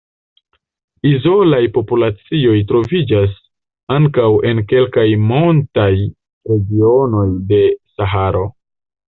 Izolaj populacioj troviĝas ankaŭ en kelkaj montaj regionoj de Saharo.